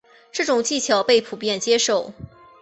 这种技巧被普遍接受。